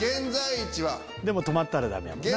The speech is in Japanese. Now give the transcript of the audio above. でも止まったらダメやもんな。